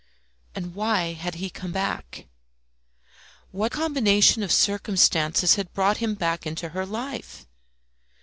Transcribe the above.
And why had he come back? What combination of circumstances had brought him back into her life?